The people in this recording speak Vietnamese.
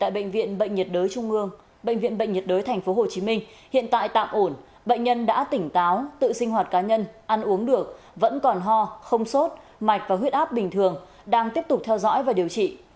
bệnh viện bệnh nhiệt đới tp hcm hiện tại tạm ổn bệnh nhân đã tỉnh táo tự sinh hoạt cá nhân ăn uống được vẫn còn ho không sốt mạch và huyết áp bình thường đang tiếp tục theo dõi và điều trị